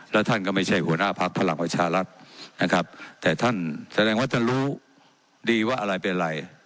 แล้วท่านก็ไม่ใช่หัวหน้าพักพลังประชารัฐนะครับแต่ท่านแสดงว่าท่านรู้ดีว่าอะไรเป็นอะไร